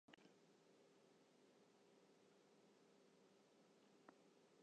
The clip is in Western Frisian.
Hy hat der nei frege, mar kriget hjir gjin antwurd op.